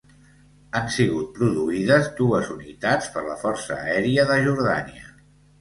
Han sigut produïdes dues unitats per la Força Aèria de Jordània.